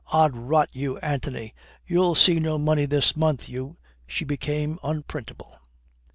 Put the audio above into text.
Od rot you, Antony, you'll see no money this month, you " She became unprintable.